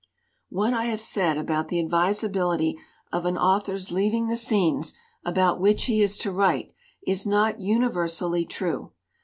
"What I have said about the advisability of an author's leaving the scenes about which he is to write is not universally true.